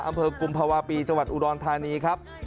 อำเภอกุมภาวะปีจังหวัดอุดรธานีครับ